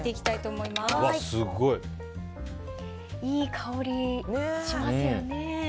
いい香りしますよね。